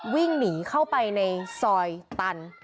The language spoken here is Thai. วิ่งหนีเข้าไปในซอยตัน